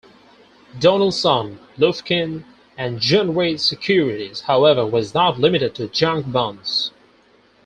Donaldson, Lufkin and Jenrette Securities, however, was not limited to junk-bonds.